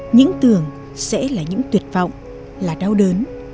những tường sẽ là những tuyệt vọng là đau đớn